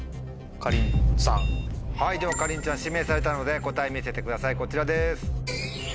ではかりんちゃん指名されたので答え見せてくださいこちらです。